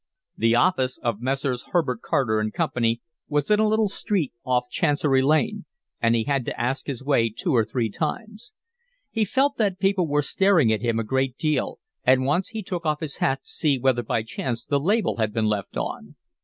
The office of Messrs. Herbert Carter & Co. was in a little street off Chancery Lane, and he had to ask his way two or three times. He felt that people were staring at him a great deal, and once he took off his hat to see whether by chance the label had been left on.